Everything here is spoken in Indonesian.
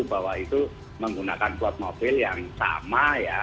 bahwa itu menggunakan plat mobil yang sama ya